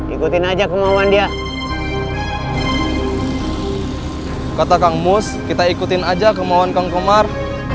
ikutin aja kemauan dia kata kang mus kita ikutin aja kemauan kang komar